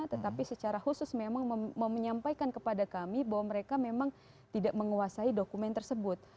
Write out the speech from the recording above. tetapi secara khusus memang menyampaikan kepada kami bahwa mereka memang tidak menguasai dokumen tersebut